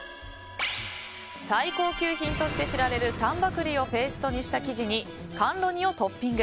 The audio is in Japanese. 最高級品として知られる丹波栗をペーストにした生地に甘露煮をトッピング。